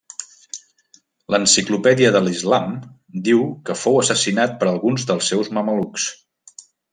L'enciclopèdia de l'Islam diu que fou assassinat per alguns dels seus mamelucs.